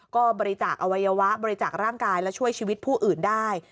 ก็บริจาคอวัยวะบริจาคร่างกายและช่วยชีวิตผู้อื่นได้